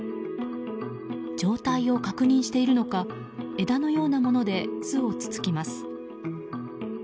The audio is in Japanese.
状態を確認しているのか枝のようなもので巣をつつきます。